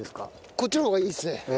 こっちの方がいいですね。